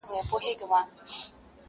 هره شپه چي تېرېده ته مي لیدلې٫